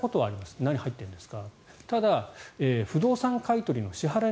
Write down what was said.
何入ってるんですか？